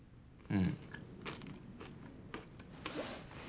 うん？